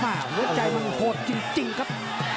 หัวใจมันโหดจริงครับ